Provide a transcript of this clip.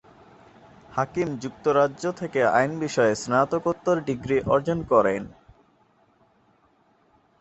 হাকিম যুক্তরাজ্য থেকে আইন বিষয়ে স্নাতকোত্তর ডিগ্রি অর্জন করেন।